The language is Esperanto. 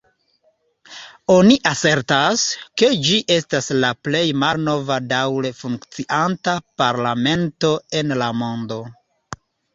Oni asertas, ke ĝi estas la plej malnova daŭre funkcianta parlamento en la mondo.